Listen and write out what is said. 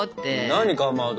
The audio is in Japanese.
何かまど！